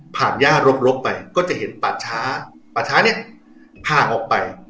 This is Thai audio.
ผ่านย่ารบรบไปก็จะเห็นปาช้าปาช้าเนี้ยผ้าออกไป